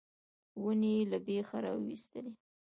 ونې یې له بېخه راویستلې.